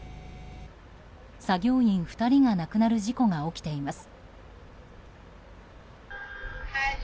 作業員２人が亡くなる事故が起きています。